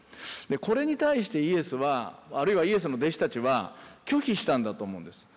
これに対してイエスはあるいはイエスの弟子たちは拒否したんだと思うんです。